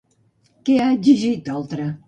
Què ha exigit Oltra?